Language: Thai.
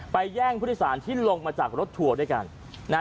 ไปแย่งพุทธศาลที่ลงมาจากรถทัวร์ด้วยกัน